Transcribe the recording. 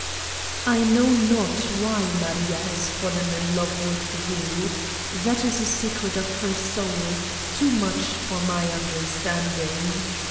"I know not why Maria has fallen in love with you. That is a secret of her soul, too much for my understanding.